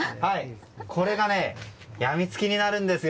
これが病み付きになるんですよ。